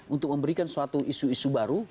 untuk memberikan suatu isu isu baru